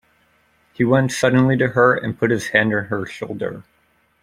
He went suddenly to her, and put his hand on her shoulder.